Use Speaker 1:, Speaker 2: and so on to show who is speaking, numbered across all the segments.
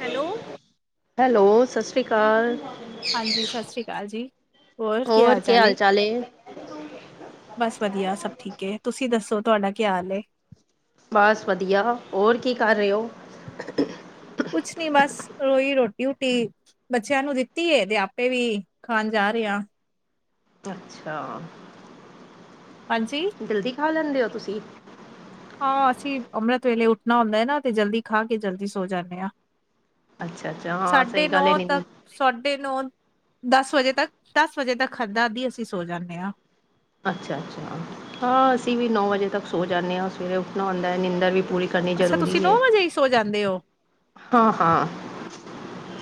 Speaker 1: Hello
Speaker 2: hello ਸਤਿ ਸ੍ਰੀ ਅਕਾਲ।
Speaker 1: ਹਾਂਜੀ ਸਤਿ ਸ਼੍ਰੀ ਅਕਾਲ ਜੀ! ਹੋਰ ਕੀ ਹਾਲ ਚਾਲ ਹੈ। ਬਸ ਵਧੀਆ ਸਭ ਠੀਕ ਹੈ ਤੁਸੀਂ ਦੱਸੋ ਤੁਹਾਡਾ ਕਿਆ ਹਾਲ
Speaker 2: ਬਸ ਵਧੀਆ! ਹੋਰ ਕੀ ਕਰ ਰਹੇ ਹੋ?
Speaker 1: ਕੁਛ ਨੀ ਬਸ ਰੋਹੀ ਰੋਟੀ ਰੂਟੀ ਬੱਚਿਆਂ ਨੂੰ ਦਿੱਤੀ ਤੇ ਆਪੇ ਵੀ ਖਾਣ ਜਾ ਰਹੇ ਆ।
Speaker 2: ਅੱਛਾ।
Speaker 1: ਹਾਂਜੀ,
Speaker 2: ਜਲਦੀ ਖਾ ਲੈਂਦੇ ਹੋ ਤੁਸੀਂ।
Speaker 1: ਹਾਂ, ਅਸੀਂ ਅੰਮ੍ਰਿਤ ਵੇਲੇ ਉੱਠਣਾ ਹੁੰਦਾ ਹੈ ਨਾ ਤੇ ਜਲਦੀ ਖਾ ਕੇ ਜਲਦੀ ਸੋ ਜਾਂਦੇ ਹਾਂ।
Speaker 2: ਅੱਛਾ ਅੱਛਾ ਹਾਂ
Speaker 1: ਸਾਢੇ
Speaker 2: ਸਹੀ ਗੱਲ ਹੈ
Speaker 1: ਨੌ
Speaker 2: ਨ
Speaker 1: ਤੱਕ। ਸਾਡੇ ਨੂੰ ਦਸ ਵਜੇ ਤੱਕ ਦਸ ਵਜੇ ਤੱਕ ਖਧਾ ਦੀ ਅਸੀਂ ਸੋ ਜਾਂਦੇ ਹਾਂ।
Speaker 2: ਅੱਛਾ-ਅੱਛਾ, ਹਾਂ ਅਸੀਂ ਵੀ ਨੌ ਵਜੇ ਤੱਕ ਸੋ ਜਾਂਦੇ ਹਾਂ ਸਵੇਰੇ ਉੱਠਣਾ ਆੁੰਂਦਾ ਹੈ ਨਿੰਦਰ ਵੀ ਪੂਰੀ। ਕਰਨੀ
Speaker 1: ਅੱਛਾ ਤੁਸੀਂ
Speaker 2: ਜ਼ਰੂਰੀ
Speaker 1: ਨੌ ਵਜੇ ਹੀ ਸੋ ਜਾਂਦੇ ਹੋ।
Speaker 2: ਹੂੰ, ਹਾਂ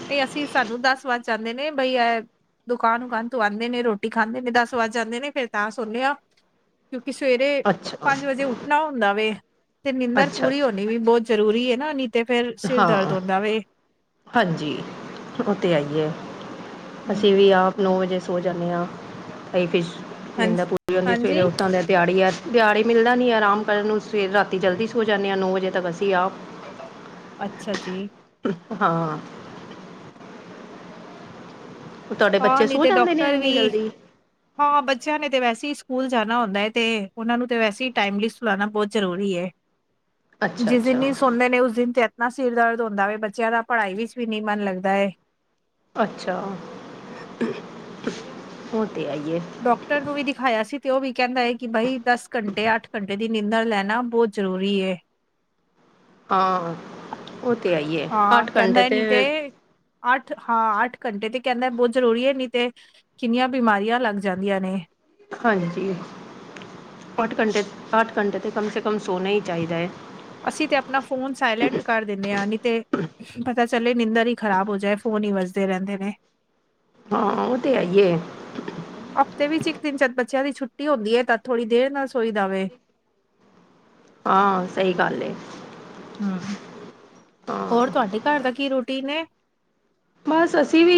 Speaker 1: ਤੇ ਅਸੀਂ ਸਾਨੂੰ ਦੱਸਵਾ ਚਾਹੁੰਦੇ ਨੇ ਬਈ ਇਹ ਦੁਕਾਨ ਉੁਕਾਨ ਤੂੰ ਆਉਂਦੇ ਨੇ ਰੋਟੀ ਖਾਂਦੇ ਨੇ ਦਸ ਵੱਜ ਜਾਂਦੇ ਨੇ ਫੇਿਰ ਤਾਂ ਸੁਣਿਆ। ਕਿਉਂਕਿ ਸਵੇਰੇ
Speaker 2: ਅੱਛਾ
Speaker 1: ਪੰਜ ਵਜੇ ਉੱਠਣਾ ਹੁੰਦਾ ਵੇ ਤੇ ਨਿੰਦਰ
Speaker 2: ਅੱਛਾ
Speaker 1: ਪੂਰੀ
Speaker 2: ਅੱਛਾ
Speaker 1: ਹੋਣੀ ਵੀ ਬਹੁਤ ਜ਼ਰੂਰੀ ਹੈ ਨਾ ਨ ਤੇ ਫੇਰ ਸਿਰ ਦਰਦ
Speaker 2: ਹਾਂ
Speaker 1: ਹੁੰਦਾ ਵ।
Speaker 2: ਹਾਂਜੀ, ਉਹ ਆਈਏ ਅਸੀਂ ਵੀ ਆ। ਨੌ ਵਜੇ ਸੋ ਜਾਂਦੇ ਹਾ [unintelligible] ਨਿੰਦਰ
Speaker 1: ਹਾਂਜੀ
Speaker 2: ਪੂਰੀ ਹੁੰਦੀ ਸਵੇਰੇ
Speaker 1: ਹਾਂਜੀ
Speaker 2: ਉੱਠਣਾ ਹੁੰਦਾ। ਦਿਹਾੜੀ ਆ ਦਿਹਾੜੀ ਮਿਲਦਾ ਨੀ ਹੈ ਆਰਾਮ ਕਰਨ ਨੂੰ ਸਵੇ ਰਾਤੀ ਜਲਦੀ ਸ ਹੋ ਜਾਂਦੇ ਹਾ ਨੌ ਵਜੇ ਤੱਕ ਅਸੀ ਆਪ।
Speaker 1: ਅੱਛਾ ਜੀ।
Speaker 2: ਹਾਂ। ਤੁਹਾਡੇ ਬੱਚੇ ਸੋ ਜਾਂਦੇ ਨੇ ਇੰਨੀ ਜਲਦੀ।
Speaker 1: ਹਾ ਬੱਚਿਆ ਨੇ ਤੇ ਵੈਸੇ ਹੀ ਸਕੂਲ ਜਾਣਾ ਹੁੰਦਾ ਹੈ ਤੇ ਉਹਨਾਂ ਨੂੰ ਤਾ ਵੈਸੇ ਹੀ ਟਾਈਮਲੀ ਸੁਲਾਣਾ ਬਹੁਤ ਜ਼ਰੂਰੀ ਹੈ।
Speaker 2: ਅੱਛਾ
Speaker 1: ਜਿਸ ਦਿਨ
Speaker 2: ਅੱਛਾ
Speaker 1: ਹੀ ਸੁਣਦੇ ਨੇ ਉਸ ਦਿਨ ਤੇ ਨਾ ਸਿਰ ਦਰਦ ਹੁੰਦਾ ਵੇ ਬੱਚਿਆ ਦਾ ਪੜ੍ਹਾਈ ਵਿੱਚ ਵੀ ਨੀ ਮਨ ਲੱਗਦਾ ਹੈ।
Speaker 2: ਅੱਛਾ ਉਹ ਤੇ ਹੈ ਈ ਏ।
Speaker 1: ਡੋਕਟਰ ਨੂੰ ਵੀ ਦਿਖਾਇਆ ਸੀ ਤੇ ਉਹ ਵੀ ਕਹਿੰਦਾ ਹੈ ਕਿ ਬਾਈ ਦਸ ਘੰਟੇ, ਅੱਠ ਘੰਟੇ ਦੀ ਨਿੰਦਣ ਲੈਣਾ ਬਹੁਤ ਜ਼ਰੂਰੀ ਏ।
Speaker 2: ਹਾਂ, ਉਹ ਤੇ ਹੈ ਈ ਏ
Speaker 1: ਹਾਂ
Speaker 2: ਅੱਠ
Speaker 1: ਕਹਿੰਦਾ
Speaker 2: ਘੰਟੇ
Speaker 1: ਹੈ
Speaker 2: ਤੇ
Speaker 1: ਨੀ ਅੱਠ ਹਾਂ ਅੱਠ ਘੰਟੇ ਤੇ ਕਹਿੰਦਾ ਬਹੁਤ ਜ਼ਰੂਰੀ ਹੈ ਨੀ ਤੇ ਕਿੰਨੀਆ ਬਿਮਾਰੀਆ ਲੱਗ ਜਾਂਦੀਆ ਨੇ।
Speaker 2: ਹਾਂਜੀ ਜੀ ਅੱਠ ਘੰਟੇ, ਅੱਠ ਘੰਟੇ ਤੇ ਕਮ ਸੇ ਕਮ ਸੋਨਾ ਹੀ ਚਾਹੀਦਾ ਹੈ।
Speaker 1: ਅਸੀਂ ਤੇ ਆਪਣਾ ਫੋਨ ਸਾਇਲੈਂਟ ਕਰ ਦਿੰਦੇ ਹਾ ਨੀ ਤੇ ਪਤਾ ਚੱਲੇ ਨਿੰਦਰ ਹੀ ਖ਼ਰਾਬ ਹੋ ਜਾਏ ਫੋਨ ਹੀ ਵਜਦੇ ਰਹਿੰਦੇ ਨੇ।
Speaker 2: ਹਾਂ, ਉਹ ਤੇ ਹੈ ਹੀ ਏ।
Speaker 1: ਹਫ਼ਤੇ ਵਿੱਚ ਇੱਕ ਦਿਨ ਚਾਰ ਬੱਚਿਆ ਦੀ ਛੁੱਟੀ ਹੁੰਦੀ ਹੈ ਤਾ ਥੋੜ੍ਹੀ ਦੇਰ ਨਾਲ ਸੋਈ ਦਾ ਵੇ।
Speaker 2: ਹਾਂ ਸਹੀ ਗੱਲ ਏ।
Speaker 1: ਹੂੰ, ਹੋਰ ਤੁਹਾਡੇ ਘਰ ਦਾ ਕੀ ਰੋਟੀਨ ਏ।
Speaker 2: ਬਸ ਅਸੀ ਵੀ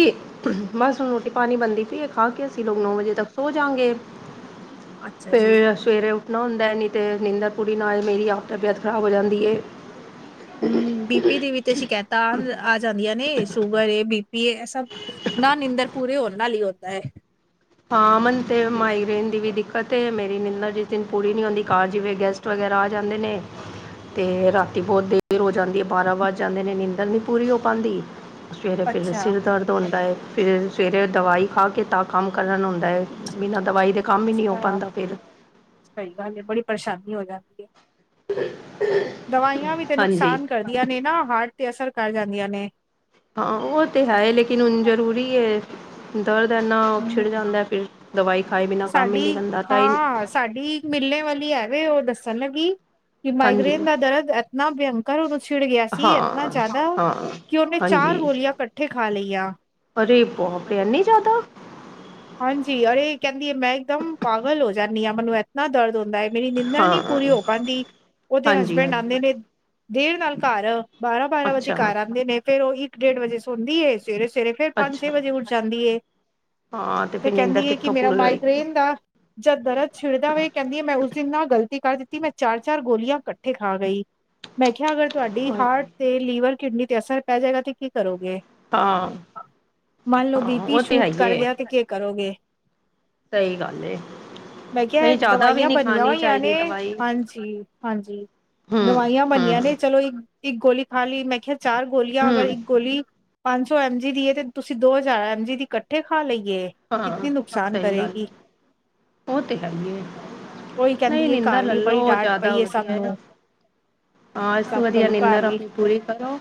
Speaker 2: ਬਸ ਹੁਣ ਰੋਟੀ ਪਾਣੀ ਬਣਦੀ ਪਈ ਏ ਖਾ ਕੇ ਅਸੀ ਲੋਕ ਨੌ ਵਜੇ ਤੱਕ ਸੋ ਜਾਗੇ।
Speaker 1: ਅੱਛਾ
Speaker 2: ਤੇ
Speaker 1: ਜੀ
Speaker 2: [unintelligible] ਸਵੇਰੇ ਉੱਠ ਨਾ ਹੁੰਦਾ ਨੀ ਤੇ ਨਿੰਂਦਰ ਪੂਰੀ ਨਾ ਹੋਏ ਮੇਰੀ ਆਪ ਤਬੀਅਤ ਖਰਾਬ ਹੋ ਜਾਂਦੀ ਹੈ।
Speaker 1: ਹਮ ਬੀਪੀ ਦੇ ਵਿੱਚ ਸ਼ਿਕਾਇਤਾ ਆ ਆ ਜਾਂਦੀਆ ਨੇ ਸ਼ੂਗਰ ਏ ਬੀਪੀ ਏ ਇਹ ਸਭ ਨਾ ਨਿੰਦਰ ਪੂਰੇ ਹੋਨ ਨਾਲ ਹੀ ਹੁੰਦਾ।
Speaker 2: ਹ ਮਨ ਤੇ ਮਾਈਗ੍ਰੇਨ ਦੀ ਵੀ ਦਿੱਕਤ ਹੈ ਮੇਰੀ ਨਿੰਦਰ ਜਿਸ ਦਿਨ ਪੂਰੀ ਨੀ ਹੁੰਦੀ ਘਰ ਜਿਵੇਂ ਗੈਸਟ ਵਗੈਰਾ ਆ ਜਾਂਦੇ ਨੇ। ਤੇ ਰਾਤੀ ਬਹੁਤ ਦੇਰ ਹੋ ਜਾਂਦੀ ਐ ਬਾਰਾ ਵੱਜ ਜਾਂਦੇ ਦੇ ਨੇ ਨੀਦਰ ਨੀ ਪੂਰੀ ਹੋ ਪਾਂਦੀ ਸਵੇਰੇ ਫਿਰ
Speaker 1: ਅੱਛਾ,
Speaker 2: ਸਿਰ ਦਰਦ ਹੁੰਦਾ ਹੈ ਫਿਰ ਸਵੇਰੇ ਦਵਾਈ ਖਾ ਕੇ ਤਾ ਕੰਮ ਕਰਨ ਹੁੰਦਾ ਏ ਬਿਨਾ ਦਵਾਈ ਦੇ ਕੰਮ ਹੀ ਨਹੀਂ ਹੋ
Speaker 1: ਅੱਛਾ
Speaker 2: ਪਾਂਦਾ ਫਿਰ।
Speaker 1: ਸਹੀ ਗੱਲ ਹੈ ਬੜੀ ਪਰੇਸ਼ਾਨੀ ਹੋ ਜਾਂਦੀ ਹੈ। ਦਵਾਈਆਂ ਵੀ ਤੇ
Speaker 2: ਹਾਂਜੀ।
Speaker 1: ਨੁਕਸਾਨ ਕਰਦੀਆਂ ਨੇ ਨਾ ਹਾਰਟ ਤੇ ਅਸਰ ਕਰ ਜਾਂਦੀਆਂ ਨੇ।
Speaker 2: ਹਾ ਓਹ ਤੇ ਹੈਏ ਲੇਕਿਨ ਹੁਣ ਜ਼ਰੂਰੀ ਏ। ਦਰਦ ਏਨਾ ਛਿੜ
Speaker 1: ਹੂੰ,
Speaker 2: ਜਾਂਦਾ ਫੇਰ ਦਵਾਈ ਖਾਏ ਬਿਨਾਂ ਕੰਮ ਹੀ ਨੀ
Speaker 1: ਸਾਡੀ
Speaker 2: ਬਣਦਾ ਤਾਈ
Speaker 1: ਹਾਂ, ਸਾਡੀ ਮਿਲਣੇ ਵਾਲੀ ਹੈਵੇ ਔ ਦੱਸਣ ਲੱਗੀ ਕਿ
Speaker 2: ਹਾਂਜੀ
Speaker 1: ਮਾਈਗ੍ਰੇਨ ਦਾ ਦਰਦ ਐਤਨਾ ਭਯਅੰਕਰ ਉਨੂੰ ਛਿੜ ਗਿਆ ਸੀ ਇਤਨਾ
Speaker 2: ਹਾਂ
Speaker 1: ਜਾਦਾ
Speaker 2: ਹਾਂ
Speaker 1: ਕਿ ਔਨੇ ਚਾਰ
Speaker 2: ਹਾਂਜੀ
Speaker 1: ਗੋਲੀਆਂ ਕੱਠੇ ਖਾ ਲਈਆ।
Speaker 2: ਅਰੇ ਬਾਪ ਰੇ ਐਨੀ ਜਾਦਾ।
Speaker 1: ਹਾਂਜੀ ਅਰੇ ਏ ਕੈੰਦੀ ਏ ਮੈਂ ਇੱਕਦਮ ਪਾਗਲ ਹੋ ਜਾਣੀ ਆ ਮੈਨੂੰ ਐਤਨਾ ਦਰਦ ਹੁੰਦਾ ਏ। ਮੇਰੀ ਨੀਂਦਰ ਨੀ
Speaker 2: ਹਾਂ
Speaker 1: ਪੂਰੀ ਹੋ ਪਾੰਦੀ ਔਦੇ
Speaker 2: ਹਾਂਜੀ
Speaker 1: ਹਸਬੈਂਡ
Speaker 2: ਹਾਂਜੀ
Speaker 1: ਆਦੇ ਨੇ ਦੇਰ ਨਾਲ ਘਰ। ਬਾਰਾ-ਬਾਰਾ ਵਜੇ
Speaker 2: ਅੱਛਾ
Speaker 1: ਘਰ ਆਦੇ ਨੇ ਫੇਰ ਓਹੀ ਇੱਕ, ਡੇਢ ਵਜੇ ਸੋਂਦੀ ਏ ਸਵੇਰੇ-ਸਵੇਰੇ ਫੇਰ ਪੰਜ,
Speaker 2: ਅੱਛਾ
Speaker 1: ਛੇ ਵਜੇ ਉੱਠ ਜਾਂਦੀ ਏ।
Speaker 2: ਹਾਂ
Speaker 1: ਤੇ
Speaker 2: ਫਿਰ
Speaker 1: ਕੈੰਦੀ
Speaker 2: ਨਿੰਦਰ
Speaker 1: ਏ ਕਿ
Speaker 2: ਕਿੱਥੋਂ
Speaker 1: ਮੇਰਾ
Speaker 2: ਪੂਰੀ ਹੋਏਗੀ
Speaker 1: ਮਾਈਗਰੇਨ ਦਾ ਜਦ ਦਰਦ ਛਿੜਦਾ ਵੇ ਕੈੰਦੀ ਏ ਮੈਂ ਉਸ ਦਿਨ ਨਾ ਗ਼ਲਤੀ ਕਰ ਦਿੱਤੀ ਮੈਂ ਚਾਰ-ਚਾਰ ਗੋਲੀਆਂ ਕੱਠੇ ਖਾ ਗਈ। ਮੈਂ ਖਿਹਾ ਅਗਰ ਤੁਹਾਡੀ
Speaker 2: ਹਾਏ,
Speaker 1: ਹਾਰਟ ਤੇ ਲੀਵਰ, ਕਿਡਨੀ ਤੇ ਅਸਰ ਪੈ ਜੇਗਾ ਤੇ ਕੀ ਕਰੋਗੇ?
Speaker 2: ਹਾਂ
Speaker 1: ਮੰਨ ਲੋ ਬੀ
Speaker 2: ਹਾਂ
Speaker 1: ਪੀ
Speaker 2: ਉਹ ਤੇ ਹੈ
Speaker 1: ਸ਼ੂਟ
Speaker 2: ਹੀ
Speaker 1: ਕਰ
Speaker 2: ਏ
Speaker 1: ਗਿਆ ਤੇ ਕੇ ਕਰੋਗੇ?
Speaker 2: ਸਹੀ ਗੱਲ ਏ।
Speaker 1: ਮੈਂ ਕਿਆ ਐ
Speaker 2: ਨਹੀਂ ਜ਼ਿਆਦਾ ਵੀ
Speaker 1: ਦਵਾਈਆ
Speaker 2: ਨਹੀਂ
Speaker 1: ਬਣੀਆਂ
Speaker 2: ਖਾਣੀ
Speaker 1: ਹੋਈਆ ਨੇ
Speaker 2: ਚਾਹੀਦੀ ਦਵਾਈ
Speaker 1: ਹਾਂਜੀ, ਹਾਂਜੀ।
Speaker 2: ਹੂੰ
Speaker 1: ਦਵਾਈਆਂ
Speaker 2: ਹੂੰ
Speaker 1: ਬਣੀਆਂ ਨੇ ਚਲੋ ਇੱਕ ਇੱਕ ਗੋਲੀ ਖਾ ਲੀ ਮੈਂ ਖਿਐ ਚਾਰ ਗੋਲੀਆਂ ਅਗਰ
Speaker 2: ਹੂੰ
Speaker 1: ਇੱਕ ਗੋਲੀ ਪੰਜ ਸੌ ਐਮ ਜੀ ਦੀ ਤੇ ਤੁਸੀਂ ਦੋ ਹਜ਼ਾਰ ਐਮ ਜੀ ਦੀ ਇਕੱਠੇ ਖਾ ਲਈਏ।
Speaker 2: ਹਾਂ,
Speaker 1: ਕਿਤਨੀ ਨੁਕਸਾਨ
Speaker 2: ਸਹੀ ਗੱਲ
Speaker 1: ਕਰੇਗੀ
Speaker 2: ਹੈ। ਉਹ ਤੇ ਹੈ ਹੀ ਹੈ
Speaker 1: ਉਹੀ
Speaker 2: ਨਹੀਂ
Speaker 1: ਕਹਿੰਦੀ ਹੈ
Speaker 2: ਨਿੰਦਾ
Speaker 1: ਘਰ ਵੀ
Speaker 2: ਲੈਲੋ
Speaker 1: ਬੜੀ
Speaker 2: ਉਹ
Speaker 1: ਡਾਂਟ
Speaker 2: ਜ਼ਿਆਦਾ
Speaker 1: ਪਈ ਹੈ ਸਭ
Speaker 2: ਵਧੀਆ।
Speaker 1: ਨੂੰ
Speaker 2: ਹਾਂ ਇਸ ਤੋਂ
Speaker 1: ਸਭ
Speaker 2: ਵਧੀਆ
Speaker 1: ਕਲੂ
Speaker 2: ਨਿੰਦਰ
Speaker 1: ਘਰ ਵੀ
Speaker 2: ਆਪਣੀ ਪੂਰੀ ਕਰੋ।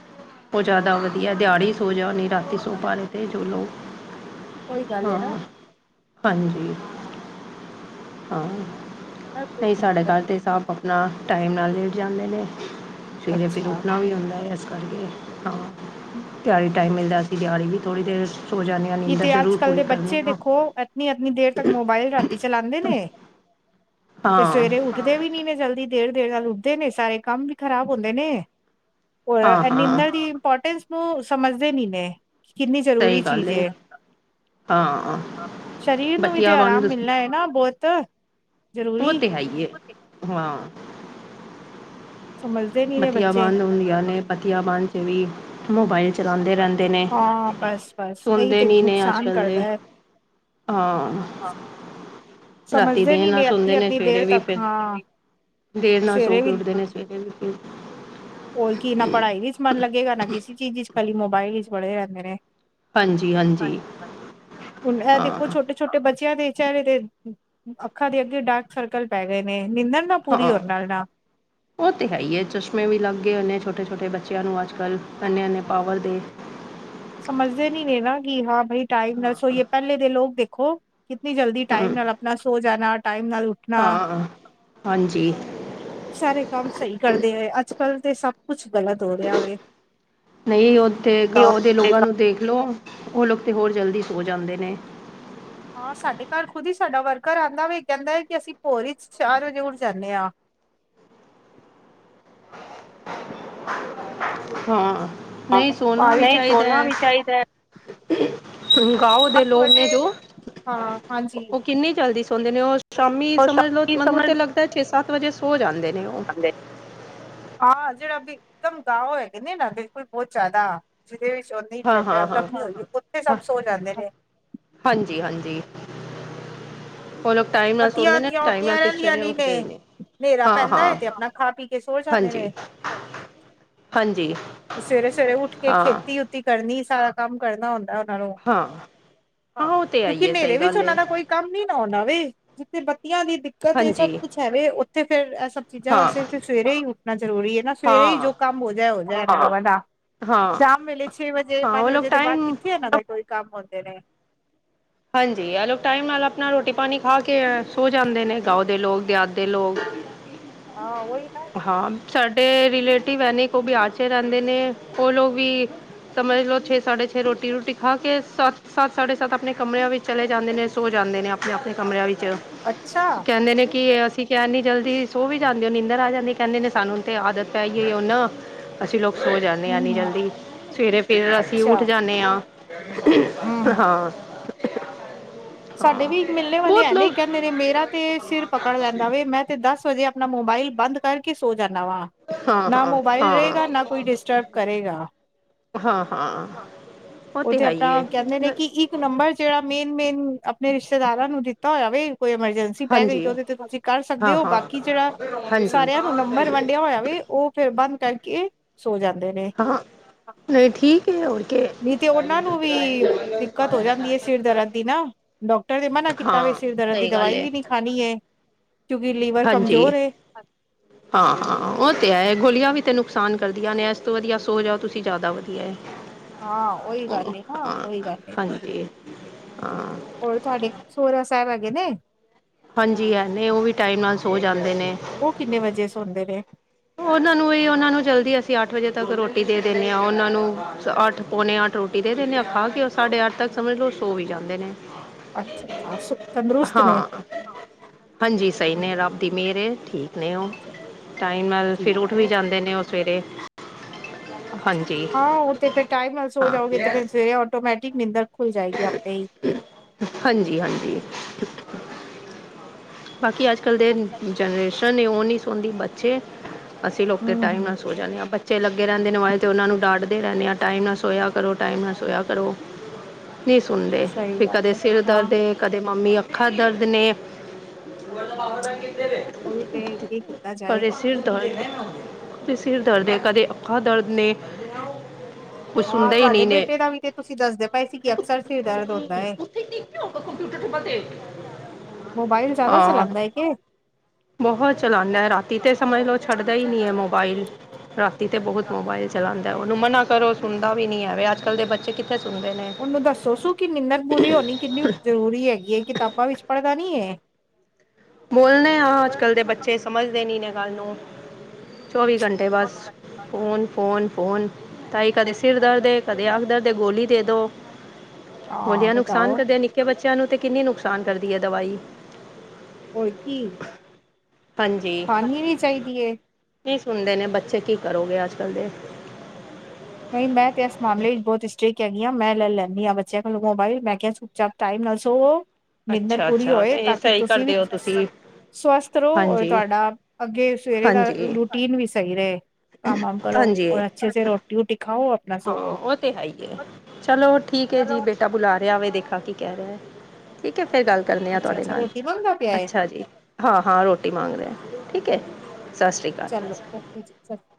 Speaker 2: ਉਹ ਜ਼ਿਆਦਾ ਵਧੀਆ ਦਿਹਾੜੀ ਸੋ ਜਾਣੀ ਰਾਤੀ ਸੋਭਾਰੇ ਅਤੇ ਜੋ ਲੋਕ
Speaker 1: ਉਹੀ ਗੱਲ ਹੈ
Speaker 2: ਹਾਂ,
Speaker 1: ਨਾ
Speaker 2: ਹਾਂਜੀ, ਹਾਂ। ਨਹੀਂ ਸਾਡੇ ਘਰ ਤੇ ਸਾਬ ਅਪਣਾ ਟਾਈਮ ਨਾਲ ਲੇਟ ਜਾਂਦੇ ਨੇ। ਸਵੇਰੇ ਫਿਰ
Speaker 1: ਅੱਛਾ
Speaker 2: ਉੱਠਣਾ ਵੀ ਹੂੰਦੈ, ਐਸ ਕਰਕੇ ਹਾਂ ਤਿਹਾੜੀ ਟਾਈਮ ਮਿਲਦਾ ਸੀ ਅਸੀ ਦਿਹਾੜੀ ਵੀ ਥੋੜ੍ਹੀ ਦੇਰ ਸੋ ਜਾਂਣੀ ਆਂ, ਨੀੰਦਰ ਜ਼ਰੂਰ
Speaker 1: ਕਲ ਦੇ
Speaker 2: ਪੂਰੀ ਕਰਦੇ
Speaker 1: ਬੱਚੇ
Speaker 2: ਹਾਂ
Speaker 1: ਦੇਖੋ ਐਤਨੀ ਐਤਨੀ ਦੇਰ ਤੱਕ ਮੋਬਾਇਲ ਰਾਤੀ ਚਲਾਂਦੇ ਨੇ। ਤੇ
Speaker 2: ਹਾਂ
Speaker 1: ਸਵੇਰੇ ਉੱਠਦੇ ਵੀ ਨੀ ਈਵੇਂ ਜਲਦੀ ਦੇਰ-ਦੇਰ ਨਾਲ ਉੱਠਦੇ ਨੇ ਸਾਰੇ ਕੰਮ ਵੀ ਖ਼ਰਾਬ ਹੁੰਦੇ ਨੇ। ਹੋਰ ਐ
Speaker 2: ਹਾਂ
Speaker 1: ਐ
Speaker 2: ਹਾਂ
Speaker 1: ਨਿੰਦਰ ਦੀ ਇੰਪੋਰਟੈਂਸ ਨੂੰ ਸਮਝਦੇ ਨੀ ਨੇ ਕਿ ਕਿੰਨੀ
Speaker 2: ਸਹੀ
Speaker 1: ਜ਼ਰੂਰੀ
Speaker 2: ਗੱਲ
Speaker 1: ਚੀਜ਼
Speaker 2: ਹੈ
Speaker 1: ਏ।
Speaker 2: ਹਾਂ
Speaker 1: ਸਰੀਰ ਨੂੰ ਵੀ ਤੇ
Speaker 2: ਬੱਤੀਆਂ
Speaker 1: ਆਰਾਮ
Speaker 2: ਬੰਦ
Speaker 1: ਮਿਲਣਾ ਏ ਨਾ ਬੋੱਤ।
Speaker 2: ਔ ਤੇ ਹੈ ਈ ਏ, ਹਾਂ।
Speaker 1: ਸਮਝ
Speaker 2: ਮੱਤੀਆਂ ਬੰਦ ਹੁੰਦੀਆਂ ਨੇ, ਪਤੀਆਂ ਬੰਦ ਚ ਵੀ ਮੋਬਾਈਲ ਚਲਾੰਦੇ ਰੈੰਦੇ ਨੇ
Speaker 1: ਹਾਂ ਬਸ ਬਸ ਇਹੀ
Speaker 2: ਸੁਣਦੇ
Speaker 1: ਤੇ
Speaker 2: ਨੀ ਨੇ
Speaker 1: ਨੁਕਸਾਨ
Speaker 2: ਅੱਜ-ਕੱਲ ਦੇ।
Speaker 1: ਕਰਦਾ ਹੈ।
Speaker 2: ਹਾਂ। ਰਾਤੀ
Speaker 1: ਸਮਝਦੇ
Speaker 2: ਦੇਰ
Speaker 1: ਨੀ
Speaker 2: ਨਾਲ ਸੋੰਦੇ
Speaker 1: ਅੱਧੀ
Speaker 2: ਨੇ,
Speaker 1: ਅੱਧੀ
Speaker 2: ਸਵੇਰੇ
Speaker 1: ਦੇਰ
Speaker 2: ਵੀ
Speaker 1: ਤੱਕ
Speaker 2: ਫਿਰ
Speaker 1: ਹਾਂ
Speaker 2: ਦੇਰ ਨਾਲ ਸੋ
Speaker 1: ਸਵੇਰੇ
Speaker 2: ਕੇ
Speaker 1: ਵੀ
Speaker 2: ਉੱਠਦੇ ਨੇ ਸਵੇ ਏਵੀ
Speaker 1: ਹੋਰ ਕੀ ਨਾ ਪੜ੍ਹਾਈ ਵਿੱਚ ਮਨ ਲੱਗੇਗਾ ਨਾ ਕਿਸੀ ਚੀਜ਼ ਇਚ ਖਾਲੀ ਮੋਬਾਇਲ ਵਿਚ ਪੜੇ ਰੈੰਦੇ ਨੇ।
Speaker 2: ਹਾਂਜੀ ਹਾਂਜੀ
Speaker 1: ਹੁਣ ਐ
Speaker 2: ਹਾਂ
Speaker 1: ਦੇਖੋ ਛੋਟੇ ਛੋਟੇ ਬੱਚੇਆਂ ਦੇ ਚੈਰੇ ਤੇ ਅੱਖਾਂ ਦੇ ਅੱਗੇ ਡਾਰਕ ਸਰਕਲ ਪੈ ਗਏ ਨੇ, ਨਿੰਦਰ ਨਾ ਪੂਰੀ
Speaker 2: ਹਾਂ।
Speaker 1: ਹੋਣ ਨਾਲ ਨਾ।
Speaker 2: ਓਹ ਤੇ ਹੈ ਈ ਏ, ਚਸ਼ਮੇ ਵੀ ਲੱਗ ਗਏ ਹੋਏ ਨੇ ਛੋਟੇ-ਛੋਟੇ ਬੱਚਿਆਂ ਨੂੰ ਅੱਜ-ਕੱਲ੍ਹ, ਐਨੇ-ਐਨੇ ਪਾਵਰ ਦੇ।
Speaker 1: ਸਮਝਦੇ ਨੀ ਵੇ ਨਾ ਕਿ ਹਾਂ ਬਹੀ ਟਾਈਮ ਨਾਲ
Speaker 2: ਹਾਂ
Speaker 1: ਸੋਹੀਏ। ਪੈਲੇ ਦੇ ਲੋਕ ਦੇਖੋ ਕਿਤਨੀ ਜਲਦੀ ਟਾਈਮ
Speaker 2: ਹਮ
Speaker 1: ਨਾਲ ਅਪਣਾ ਸੋ ਜਾਣਾ ਟਾਈਮ ਨਾਲ ਉੱਠਣਾ।
Speaker 2: ਹਾਂ ਹਾਂਜੀ।
Speaker 1: ਸਾਰੇ ਕੰਮ ਸਹੀ ਕਰਦੇ ਹੈਏ ਅੱਜ-ਕੱਲ੍ਹ ਤੇ ਸਬ ਕੁਛ ਗਲਤ ਹੋ ਰਿਹਾ ਵੇ।
Speaker 2: ਨਹੀਂ ਔਥੇ ਗਾਓ ਦੇ ਲੋਗਾਂ ਨੂੰ ਦੇਖਲੋ। ਔ ਲੋਕ ਤੇ ਹੋਰ ਜਲਦੀ ਸੋ ਜਾਂਦੇ ਨੇ।
Speaker 1: ਹਾਂ, ਸਾਡੇ ਘਾਰ ਖੁਦ ਹੀ ਸਾਡਾ ਵਰਕਰ ਆੰਦਾ ਵੇ ਕੈੰਦਾ ਏ ਕਿ ਅਸੀਂ ਭੋਰੀ ਚ ਚਾਰ ਵਜੇ ਉੱਠ ਜਾਂਣੇ ਆਂ।
Speaker 2: ਹਾਂ, ਨਹੀਂ ਸੋਨਾ
Speaker 1: ਆਹੋ
Speaker 2: ਵੀ
Speaker 1: ਨਹੀਂ ਸੋਨਾ
Speaker 2: ਚਾਈਦੈ।
Speaker 1: ਵੀ ਚਾਹੀਦਾ।
Speaker 2: ਗਾਓਂ ਦੇ
Speaker 1: ਅੱਠ
Speaker 2: ਲੋਕ ਨੇ
Speaker 1: ਵਜੇ
Speaker 2: ਜੋ
Speaker 1: ਹਾਂ ਹਾਂਜੀ।
Speaker 2: ਉਹ ਕਿੰਨੀ ਜਲਦੀ ਸੌਂਦੇ ਨੇ, ਉਹ ਸ਼ਾਮੀ
Speaker 1: ਉਹ
Speaker 2: ਸਮਝ ਲਓ
Speaker 1: ਸ਼ੌਕੀ
Speaker 2: ਮੈਨੂੰ
Speaker 1: ਸਮਝ
Speaker 2: ਤੇ
Speaker 1: ਨੀ
Speaker 2: ਲੱਗ ਛੇ-ਸੱਤ ਵਜੇ ਸੌ ਜਾਂਦੇ ਨੇ ਉਹ।
Speaker 1: ਦ ਹਾਂ ਜਿਹੜਾ ਇਕਦਮ ਗਾਓਂ ਹੈਗੇ ਨੇ ਨਾ, ਬਿਲਕੁਲ ਬਹੁਤ ਜ਼ਿਆਦਾ, ਜਿਹਦੇ
Speaker 2: ਹਾਂ
Speaker 1: ਵਿੱਚ
Speaker 2: ਹਾਂ ਹਾਂ
Speaker 1: ਡੈਵਲਪ ਨਹੀਂ, ਉੱਥੇ
Speaker 2: ਹਾਂ
Speaker 1: ਸਭ ਸੋ ਜਾਂਦੇ ਨੇ
Speaker 2: ਹਾਂਜੀ ਹਾਂਜੀ। ਉਹ ਲੋਕ ਟਾਈਮ ਨਾਲ ਸੌਂਦੇ ਨੇ,
Speaker 1: ਬੱਤੀਆਂ-ਵਤੀਆਂ
Speaker 2: ਟਾਈਮ ਨਾਲ
Speaker 1: ਉੱਠਦੀਆਂ
Speaker 2: ਫਿਰ
Speaker 1: ਰਹਿੰਦੀਆਂ
Speaker 2: ਸਵੇਰੇ
Speaker 1: ਨੀ
Speaker 2: ਉੱਠਦੇ ਨੇ।
Speaker 1: ਹਨੇਰਾ
Speaker 2: ਹਾਂ
Speaker 1: ਪੈਂਦਾ ਹੈ
Speaker 2: ਹਾਂ
Speaker 1: ਤੇ ਆਪਣਾ ਖਾ-ਪੀ ਕੇ ਸੌ ਜਾਂਦੇ ਨੇ।
Speaker 2: ਹਾਂਜੀ
Speaker 1: ਹਾਂ
Speaker 2: ਹਾਂਜੀ
Speaker 1: ਸਵੇਰੇ-ਸਵੇਰੇ ਉੱਠ ਕੇ
Speaker 2: ਹਾਂ
Speaker 1: ਖੇਤੀ ਖੁੱਤੀ ਕਰਨੀ, ਸਾਰਾ ਕੰਮ ਕਰਨਾ ਹੁੰਦਾ ਹੈਲੋ
Speaker 2: ਹਾਂ
Speaker 1: ਹਾਂ,
Speaker 2: ਉਹ ਤੇ
Speaker 1: ਕਿਉਂਕਿ
Speaker 2: ਆਈਏ
Speaker 1: ਹਨੇਰੇ
Speaker 2: ਸਹੀ
Speaker 1: ਵਿੱਚ
Speaker 2: ਗੱਲ ਹੈ
Speaker 1: ਉਹਨਾਂ ਦਾ ਕੋਈ ਕੰਮ ਨੀ ਨਾ ਹੋਣਾ ਵੇ, ਜਿੱਥੇ ਬੱਤੀਆਂ ਦੀ ਦਿੱਕਤ ਸਭ
Speaker 2: ਹਾਂਜੀ
Speaker 1: ਕੁਛ ਹੈ ਵੇ ਉੱਥੇ ਫੇਰ ਏ ਸਭ ਚੀਜ਼ਾਂ
Speaker 2: ਹਾਂ
Speaker 1: ਵੈਸੇ ਸਵੇਰੇ ਹੀ ਉੱਠਣਾ ਜ਼ਰੂਰੀ ਹੈ ਨਾ ਸਵੇਰੇ ਹੀ
Speaker 2: ਹਾਂ
Speaker 1: ਜੋ ਕੰਮ ਹੋ ਜਾਏ ਹੋ ਜਾਏ। ਹਾਂ
Speaker 2: ਹਾਂ
Speaker 1: ਸ਼ਾਮ ਵੇਲੇ ਛੇ ਵਜੇ,
Speaker 2: ਹਾਂ
Speaker 1: ਪੰਜ
Speaker 2: ਉਹ ਲੋਕ
Speaker 1: ਵਜੇ ਦੇ ਬਾਅਦ
Speaker 2: ਟਾਈਮ
Speaker 1: ਕਿੱਥੇ ਇਹਨਾਂ ਦੇ ਕੋਈ ਕੰਮ ਹੁੰਦੇ ਨੇ।
Speaker 2: ਹਾਂਜੀ ਆ ਲੋਕ ਟਾਈਮ ਨਾਲ ਆਪਣਾ ਰੋਟੀ-ਪਾਣੀ ਖਾ ਕੇ ਸੌ ਜਾਂਦੇ ਨੇ। ਗਾਓਂ ਦੇ ਲੋਕ ਦਿਹਾਤ ਦੇ ਲੋਕ। [inaudible]
Speaker 1: ਆ ਓਹੀ ਨਾ।
Speaker 2: ਹਾਂ, ਸਾਡੇ ਰਿਲੇਟਿਵ ਐਨ ਇਕ ਔ ਬਿਹਾਰ ਚ ਰੈੰਦੇ ਨੇ ਓਹ ਲੋਗ ਵੀ ਸਮਝ ਲੋ ਛੇ-ਸਾਢੇ ਛੇ ਰੋਟੀ-ਰੂਟੀ ਖਾ ਕੇ ਸੱਤ-ਸੱਤ ਸਾਢੇ ਸੱਤ ਅਆਪਣੇ ਕਮਰਿਆਂ ਵਿੱਚ ਚਲੇ ਜਾਂਦੇ ਨੇ, ਸੌ ਜਾਂਦੇ ਨੇ ਆਪਣੇ- ਆਪਣੇ ਕਮਰਿਆਂ ਵਿੱਚ।
Speaker 1: ਅੱਛਾ!
Speaker 2: ਕਹਿੰਦੇ ਨੇ ਕਿ ਅਸੀਂ ਕਿਆ ਏਨੀ ਜਲਦੀ ਸੌ ਵੀ ਜਾਂਦੇ ਹੋ, ਨੀਂਦਰ ਆ ਜਾਂਦੀ ਕਹਿੰਦੇ ਨੇ ਸਾਨੂੰ ਤੇ ਆਦਤ ਪੈਗੀ ਏ ਹੁਣ। ਅਸੀਂ ਲੋਕ ਸੌ ਜਾਨੇ ਆਂ ਇੰਨੀ
Speaker 1: ਹੂੰ-ਹੂੰ
Speaker 2: ਜਲਦੀ। ਸਵੇਰੇ ਫਿਰ ਅਸੀਂ ਉੱਠ
Speaker 1: ਅੱਛਾ
Speaker 2: ਜਾਨੇ ਹਾਂ।
Speaker 1: ਹੂੰ-ਹੂੰ।
Speaker 2: ਹਾਂ।
Speaker 1: ਸਾਡੇ
Speaker 2: ਹਾਂ
Speaker 1: ਵੀ ਇੱਕ ਮਿਲਣੇ ਵਾਲੇ
Speaker 2: ਬਹੁਤ
Speaker 1: ਐਵੇਂ ਹੀ
Speaker 2: ਲੋਕ
Speaker 1: ਕਹਿੰਦੇ ਨੇ। ਤੇ ਮੇਰਾ ਤੇ ਸਿਰ ਪਕੜ ਲੈਂਦਾ ਵੇ, ਮੈਂ ਤੇ ਦਸ ਵਜੇ ਆਪਣਾ ਮੋਬਾਇਲ ਬੰਦ ਕਰਕੇ ਸੋ ਜਾਨਾ ਵਾਂ।
Speaker 2: ਹਾਂ
Speaker 1: ਨਾ
Speaker 2: ਹਾਂ
Speaker 1: ਮੋਬਾਈਲ ਰਹੇਗਾ
Speaker 2: ਹਾਂ
Speaker 1: ਨਾ ਕੋਈ ਡਿਸਟਰਬ ਕਰੇਗਾ। ਹਾਂ। ਉਹ ਤੇ
Speaker 2: ਹੈ
Speaker 1: ਆਪਾਂ
Speaker 2: ਹੀ ਹੈ
Speaker 1: ਕਹਿੰਦੇ ਨੇ ਕਿ ਇੱਕ ਇੱਕ ਨੰਬਰ ਜਿਹੜਾ ਮੇਨ-ਮੇਨ ਆਪਣੇ ਰਿਸ਼ਤੇਦਾਰਾਂ ਨੂੰ ਦਿੱਤਾ ਹੋਇਆ ਵੇ, ਕੋਈ ਐਮਰਜੈਂਸੀ ਜੰਸੀ ਪੈ ਗਈ
Speaker 2: ਹਾਂਜੀ
Speaker 1: ਤੇ ਉਹਦੇ ਤੇ ਤੁਸੀਂ ਕਰ ਸਕਦੇ
Speaker 2: ਹਾਂ
Speaker 1: ਹੋ,
Speaker 2: ਹਾਂ
Speaker 1: ਬਾਕੀ ਜਿਹੜਾ,
Speaker 2: ਹਾਂਜੀ
Speaker 1: ਸਾਰਿਆਂ ਨੂੰ ਨੰਬਰ ਵੰਡਿਆ ਹੋਇਆ ਵੇ ਉਹ ਫਿਰ ਬੰਦ ਕਰਕੇ ਸੌ ਜਾਂਦੇ ਨੇ।
Speaker 2: ਹਾਂ ਨਹੀਂ ਠੀਕ ਹੈ ਹੋਰ ਕੇ
Speaker 1: ਨਹੀਂ ਤੇ ਉਹਨਾਂ ਨੂੰ ਵੀ, ਦਿੱਕਤ ਹੋ ਜਾਂਦੀ ਹੈ, ਸਿਰ ਦਰਦ ਦੀ ਨਾ। ਡਾਕਟਰ ਨੇ ਮਨਾ ਕੀਤਾ ਵੇ,
Speaker 2: ਹਾਂ
Speaker 1: ਸਿਰ ਦਰਦ ਦੀ
Speaker 2: ਸਹੀ ਗੱਲ
Speaker 1: ਦਵਾਈ
Speaker 2: ਹੈ
Speaker 1: ਵੀ ਨਹੀਂ ਖਾਣੀ ਹੈ। ਕਿਉਂਕਿ ਲੀਵਰ
Speaker 2: ਹਾਂਜੀ
Speaker 1: ਕਮਜ਼ੋਰ ਏ।
Speaker 2: [inaudible] ਹਾਂ- ਹਾਂ ਉਹ ਤੇ ਹੈ ਏ ਗੋਲੀਆਂ ਵੀ ਤੇ ਨੁਕਸਾਨ ਕਰਦੀਆਂ ਨੇ, ਇਸ ਤੋਂ ਵਧੀਆ ਸੌ ਜਾਓ, ਤੁਸੀਂ ਜ਼ਿਆਦਾ ਵਧੀਆ ਐ।
Speaker 1: ਹਾਂ ਉਹੀ
Speaker 2: ਅ
Speaker 1: ਗੱਲ ਏ ਨਾ
Speaker 2: ਆਂ
Speaker 1: ਉਹੀ ਗੱਲ ਏ
Speaker 2: ਹਾਂਜੀ। ਹਾਂ।
Speaker 1: ਹੋਰ ਤੁਹਾਡੇ ਸਹੁਰਾ ਸਾਹਿਬ ਹੈਗੇ ਨੇ?
Speaker 2: ਹਾਂਜੀ- ਹਾਂਜੀ, ਓ ਵੀ ਟਾਈਮ ਨਾਲ ਸੌ ਜਾਂਦੇ ਨੇ।
Speaker 1: ਉਹ ਕਿੰਨੇ ਵਜੇ ਸੌਂਦੇ ਨੇ?
Speaker 2: ਉਹਨਾਂ ਨੂੰ ਏ, ਉਹਨਾਂ ਨੂੰ ਜਲਦੀ ਅਸੀਂ ਅੱਠ ਵਜੇ ਤੱਕ ਰੋਟੀ ਦੇ ਦਿੰਨੇ ਹਾਂ, ਉਹਨਾਂ ਨੂੰ ਅੱਠ-ਪੌਣੇ ਅੱਠ ਰੋਟੀ ਦੇ ਦਿੰਨੇ ਆਂ। ਖਾ ਕੇ ਉਹ ਸਾਢੇ ਅੱਠ ਤੱਕ ਸਮਝ ਲੋ ਸੌ ਵੀ ਜਾਂਦੇ ਨੇ।
Speaker 1: ਅੱਛਾ- ਅੱਛਾ।
Speaker 2: ਹਾਂ। ਹਾਂਜੀ ਸਹੀ ਨੇ, ਰੱਬ ਦੀ ਮਿਹਰ ਏ, ਠੀਕ ਨੇ ਉਹ। ਇੰਨਾ
Speaker 1: ਠੀਕ
Speaker 2: ਫਿਰ ਉੱਠ ਵੀ
Speaker 1: ਹੈ
Speaker 2: ਜਾਂਦੇ ਨੇ ਉਹ ਸਵੇਰੇ
Speaker 1: ਅੱਛਾ
Speaker 2: ਹਾਂਜੀ
Speaker 1: ਹਾਂ। ਉਹ ਤੇ ਫਿਰ ਟਾਈਮ ਨਾਲ ਸੌ
Speaker 2: ਹਾਂ
Speaker 1: ਜਾਓਗੇ ਤੇ ਫਿਰ ਸਵੇਰੇ ਆਟੋਮੈਟਿਕ ਨੀਂਦਰ ਖੁੱਲ ਜਾਏਗੀ ਆਪੇ ਹੀ।
Speaker 2: ਹਾਂਜੀ- ਹਾਂਜੀ। ਬਾਕੀ ਅੱਜ ਕੱਲ ਦੇ ਜਨਰੇਸ਼ਨ ਨੇ ਉਹ ਨੀ ਸੌਂਦੀ ਬੱਚ ਚੇ ਅਸੀਂ ਲੋਕ ਤੇ ਟਾਈਮ ਨਾਲ
Speaker 1: ਹੂੰ-ਹੂੰ
Speaker 2: ਸੋ ਜਾਂਦੇ ਹਾਂ। ਬੱ ਬੱਚੇ ਲੱਗੇ ਰਹਿੰਦੇ ਨੇ ਮੋਬਾਈਲ ਤੇ, ਉਹਨਾਂ ਨੂੰ ਡਾਂਟਦੇ ਰਹਿੰਦੇ ਆਂ, ਟਾਈਮ ਨਾਲ ਸੋਇਆ ਕਰੋ, ਟਾਈਮ ਨਾਲ ਸੋਇਆ ਕਰੋ। ਨਹੀਂ ਸੁਣਦੇ,
Speaker 1: ਸਹੀ
Speaker 2: ਵੀ
Speaker 1: ਗੱਲ
Speaker 2: ਕਦੇ
Speaker 1: ਹੈ
Speaker 2: ਸਿਰ
Speaker 1: ਹਾਂ
Speaker 2: ਦਰਦ ਏ, ਕਦੇ ਮੰਮੀ ਅੱਖਾਂ ਦਰਦ ਨੇ। ਦਾ ਪਾਵਰ ਬੈਂਕ ਕਿੱਥੇ ਵੇ।
Speaker 1: ਉਈ ਤੇ ਕੀ ਕੀਤਾ ਜਾਏ।
Speaker 2: ਸਿਰ ਦਰਦ ਤੇ ਸਿਰ ਦਰਦ ਨੇ ਕਦੇ ਅੱਖਾ ਦਰਦ ਨੇ। ਕੁਛ
Speaker 1: ਹਾਂ।
Speaker 2: ਸੁਣਦੇ ਹੀ
Speaker 1: ਤੁਹਾਡੇ
Speaker 2: ਨਹੀਂ ਨੇ
Speaker 1: ਬੇਟੇ ਦਾ ਵੀ ਤੇ ਤੁਸੀਂ ਦੱਸਦੇ ਪਏ ਸੀ ਕਿ ਅਕਸਰ ਸਿਰ ਦਰਦ ਹੁੰਦਾ ਹੈ।
Speaker 2: ਕਿਉ ਕਬ ਕੰਪਿਊਟਰ ਚੇ ਪੜ੍ਹਦੇ।
Speaker 1: ਮੋਬਾਇਲ ਜ਼ਿਆਦਾ ਚਲਾਉਂਦਾ ਹੈ ਕੇ।
Speaker 2: ਬਹੁਤ ਚਲਾਉਂਦਾ ਹੈ ਰਾਤੀ ਤੇ ਸਮਂਝਲਓ ਛੱਡਦਾ ਹੀ ਨਹੀਂ ਹੈ ਮੋਬਾਈਲ ਰਾ। ਏਤੇ ਬਹੁਤ ਮੋਬਾਇਲ ਚਲਾਉਂਦਾ ਹੈ। ਉਹਨੂੰ ਮਨਾ ਕਰੋ ਸੁਣਦਾ ਵੀ ਨਹੀਂ ਹੈਵੇ ਅੱਜ ਕੱਲ੍ਹ ਦੇ ਬੱਚੇ ਕਿੱਥੇ ਸੁਣਦੇ ਨੇ।
Speaker 1: ਇਨੂੰ ਦੱਸੋ ਸੂ ਕਿ ਨਿੰਦਰ ਪੁਰੀ ਹੋਣੀ ਕਿੰਨੀ ਜ਼ਰੂਰੀ ਹੈਗੀ ਹੈ ਕਿਤਾਬਾਂ ਵਿੱਚ ਪੜ੍ਹਦਾ ਨੀ ਹੈ।
Speaker 2: [inaudible] ਬੋਲਨੇ ਹਾਂ, ਅੱਜ ਕੱਲ ਦੇ ਬੱਚੇ ਸਮਝਦੇ ਨੀ ਨੇ ਗੱਲ ਨੂੰ ਚੌਵੀ ਘੰਟੇ ਤੇ ਬਸ ਫੋਨ- ਫੋਨ- ਫੋਨ। ਤਾਈ ਕਦੇ ਸਿਰ ਦਰਦ, ਕਦੇ ਅਖ ਦਰਦ ਗੋਲੀ ਦੇ ਦੋ।
Speaker 1: ਹਾਂ
Speaker 2: ਵੱਡਿਆ ਨੂੰ ਨੁਕਸਾਨ
Speaker 1: ਬਤਾਓ
Speaker 2: ਕਰਦੀ ਹੈ ਨਿੱਕੇ ਬੱਚਿਆਂ ਨੂੰ ਤੇ ਕਿੰਨੀ ਨੁਕਸਾਨ ਕਰਦੀ ਹੈ ਦਵਾਈ।
Speaker 1: ਹੋਰ ਕੀ ਆਨੀ ਵੀ ਚਾਹੀਦੀ ਹੈ।
Speaker 2: ਨੀ ਸੁਣਦੇ ਨੇ ਬੱਚੇ, ਕੀ ਕਰੋਗੇ, ਅੱਜ ਕੱਲ੍ਹ ਦੇ
Speaker 1: ਨਹੀਂ ਮੈਂ ਤੇ ਇਸ ਮਾਮਲੇ ਵਿੱਚ ਬਹੁਤ ਸਟ੍ਰਿਕ ਹੈਗੀ ਆਂ, ਮੈਂ ਲੈ ਲੈਂਨੀ ਹਾਂ ਬੱਚਿਆਂ ਕੋਲੋਂ ਮੋਬਾਈਲ, ਮੈਂ ਕਿਹਾ ਜ ਟਾਈਮ ਨਾਲ ਸੋਵੋ, ਨਿੰਦਰ
Speaker 2: ਅੱਛਾ
Speaker 1: ਪੂਰੀ
Speaker 2: ਅੱਛਾ
Speaker 1: ਹੋਏ,
Speaker 2: ਨਹੀਂ
Speaker 1: ਤਾਂ ਕਿ
Speaker 2: ਸਹੀ
Speaker 1: ਤੁਸੀਂ ਵੀ
Speaker 2: ਕਰਦੇ ਹੋ
Speaker 1: ਫਰੈਸ਼
Speaker 2: ਤੁਸੀਂ
Speaker 1: ਸਵਸਥ ਰਹੋ, ਔਰ
Speaker 2: ਹਾਂਜੀ
Speaker 1: ਤੁਹਾਡਾ ਅੱਗੇ ਸਵੇਰੇ ਦਾ
Speaker 2: ਹਾਂਜੀ
Speaker 1: ਰੂਟੀਨ ਵੀ ਸਹੀ ਰਹੇ। ਕਮ ਅਮ ਕਰੋ,
Speaker 2: ਹਾਂਜੀ
Speaker 1: ਔਰ ਅੱਛੇ ਸੇ ਰੋਟੀ ਰੁਟੀ ਖਾਓ। ਆਪਣਾ
Speaker 2: ਹਾਂ
Speaker 1: ਸੋਵੋ।
Speaker 2: ਉਹ ਤੇ ਹੈ ਹੀ ਹੈ, ਚਲੋ ਠੀਕ ਹੈ ਜੀ ਬੇੇ ਬੇਟਾ ਬੁਲਾ ਰਿਹਾ ਵੇ, ਦੇਖਾ ਕੀ ਕਹਿ ਰਿਹਾ ਹੈ, ਠੀਕ ਹੈ ਫਿਰ ਗੱਲ। ਕਰਨੇ ਆ,
Speaker 1: ਅੱਛਾ
Speaker 2: ਤੁਹਾਡੇ
Speaker 1: ਅੱਛਾ
Speaker 2: ਨਾਲ
Speaker 1: ਰੋਟੀ ਬਣਦਾ ਪਿਆ ਏ।
Speaker 2: ਅੱਛਾ ਜੀ। ਹਾਂ ਹਾਂ, ਰੋਟੀ ਮੰਗ ਰਿਹਾ, ਠੀਕ ਹੈ, ਸਤਿ ਸ਼੍ਰੀ ਅਕਾਲ।
Speaker 1: ਚਲੋ ਓਕੇ ਜੀ ਸਤ। [inaudible]